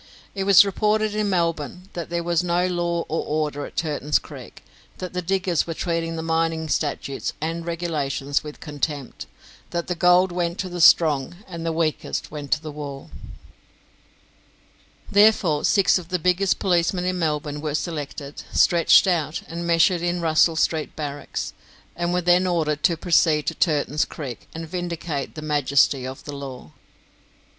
It was reported in Melbourne that there was no law or order at Turton's Creek; that the diggers were treating the mining statutes and regulations with contempt; that the gold went to the strong, and the weakest went to the wall. Therefore, six of the biggest policemen in Melbourne were selected, stretched out, and measured in Russell Street barracks, and were then ordered to proceed to Turton's Creek and vindicate the majesty of the law.